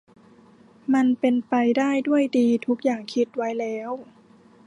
มันเป็นไปได้ด้วยดี ทุกอย่างคิดไว้แล้ว